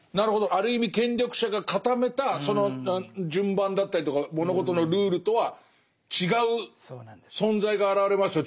ある意味権力者が固めたその順番だったりとか物事のルールとは違う存在が現れますよ